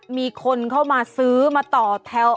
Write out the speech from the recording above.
มีคนเข้ามาซื้อมาต่อแถว